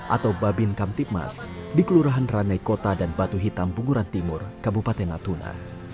atau bapin kantipmas di kelurahan ranei kota dan batu hitam bunguran timur kabupaten natuna